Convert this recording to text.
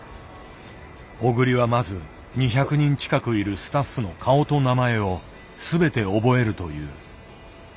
小栗はまず２００人近くいるスタッフの顔と名前を全て覚えるという。